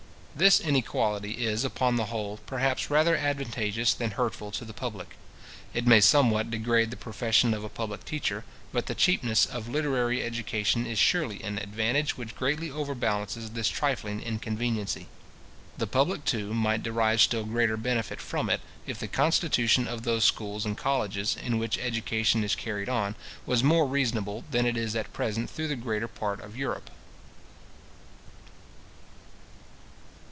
This inequality is, upon the whole, perhaps rather advantageous than hurtful to the public. It may somewhat degrade the profession of a public teacher; but the cheapness of literary education is surely an advantage which greatly overbalances this trifling inconveniency. The public, too, might derive still greater benefit from it, if the constitution of those schools and colleges, in which education is carried on, was more reasonable than it is at present through the greater part of Europe.